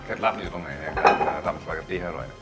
เผ็ดลักษณ์อยู่ตรงไหนในการทำสปาเกอตตี้ให้อร่อย